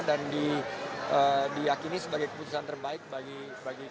dan diakini sebagai keputusan terbaik bagi kesejahteraan